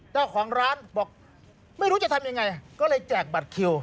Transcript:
เจ้าของร้านบอกไม่รู้จะทำยังไงก็เลยแจกบัตรคิว